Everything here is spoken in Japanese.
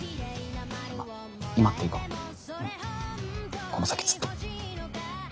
あっ今っていうかこの先ずっと。